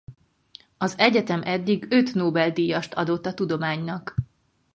Az egyetem eddig öt Nobel-díjast adott a tudománynak.